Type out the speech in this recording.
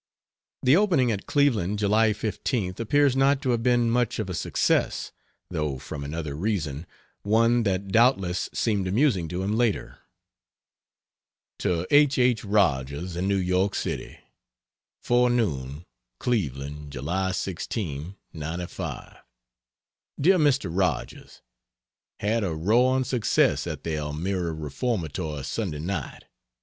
The opening at Cleveland July 15th appears not to have been much of a success, though from another reason, one that doubtless seemed amusing to him later. To H. H. Rogers, in New York City: (Forenoon) CLEVELAND, July 16, '95. DEAR MR. ROGERS, Had a roaring success at the Elmira reformatory Sunday night.